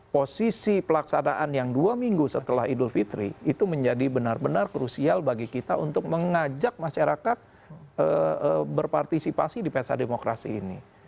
posisi pelaksanaan yang dua minggu setelah idul fitri itu menjadi benar benar krusial bagi kita untuk mengajak masyarakat berpartisipasi di pesta demokrasi ini